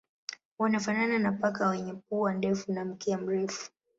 Wanafanana na paka wenye pua ndefu na mkia mrefu.